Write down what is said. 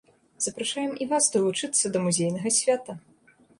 Запрашаем і вас далучыцца да музейнага свята!